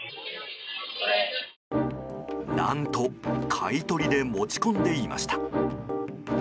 何と買い取りで持ち込んでいました。